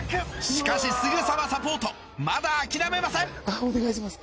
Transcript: しかしすぐさまサポートまだ諦めませんお願いします